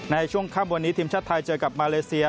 ในช่วงค่ำวันนี้ทีมชาติไทยเจอกับมาเลเซีย